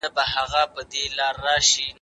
سره صلیب په جګړه کي څه رول لري؟